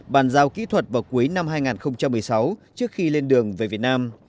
bàn giao kỹ thuật vào cuối năm hai nghìn một mươi sáu trước khi lên đường về việt nam